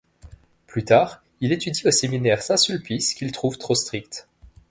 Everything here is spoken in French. Plus tard, il étudie au Séminaire Saint-Sulpice, qu'il trouve trop strict.